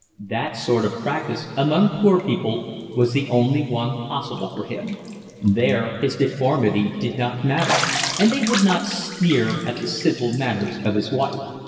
That sort of practice, among poor people, was the only one possible for him; there his deformity did not matter, and they would not sneer at the simple manners of his wife.